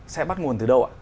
sẽ bắt nguồn từ đâu ạ